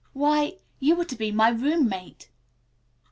Why, you are to be my roommate."